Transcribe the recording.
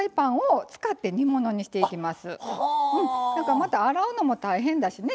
また洗うのも大変だしね。